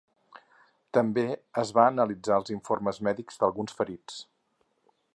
També es van analitzar els informes mèdics d’alguns ferits.